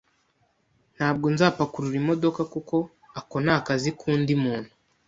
Ntabwo nzapakurura imodoka kuko ako ni akazi k'undi muntu.